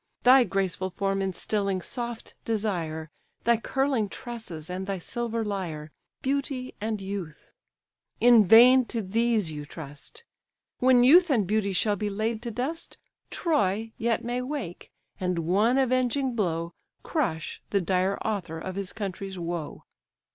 Thy graceful form instilling soft desire, Thy curling tresses, and thy silver lyre, Beauty and youth; in vain to these you trust, When youth and beauty shall be laid in dust: Troy yet may wake, and one avenging blow Crush the dire author of his country's woe."